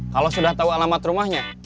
kalau sudah tahu alamat rumahnya